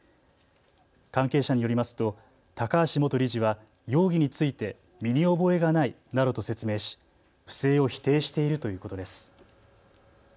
関係者によりますと高橋元理事は容疑について身に覚えがないなどと説明し不正を否定しているということです。